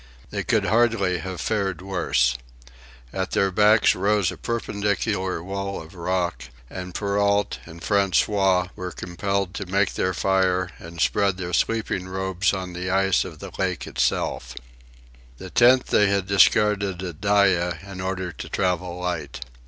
They could hardly have fared worse. At their backs rose a perpendicular wall of rock, and Perrault and François were compelled to make their fire and spread their sleeping robes on the ice of the lake itself. The tent they had discarded at Dyea in order to travel light.